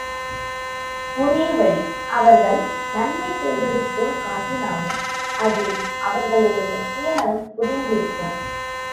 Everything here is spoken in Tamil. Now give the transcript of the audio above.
ஒரோ வழி அவர்கள் நன்மை செய்வது போலக் காட்டினாலும் அதில் அவர்களுடைய சுயநலம் புதைந்து இருக்கும்.